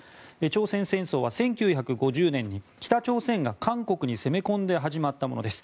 朝鮮戦争は１９５０年に北朝鮮が韓国に攻め込んで始まったものです。